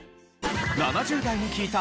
７０代に聞いた！